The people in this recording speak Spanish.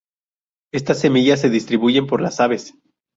Estas semillas se distribuyen por las aves.